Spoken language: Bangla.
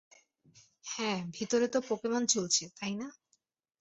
হ্যাঁ, ভিতরে তো পোকেমন চলছে, তাই না?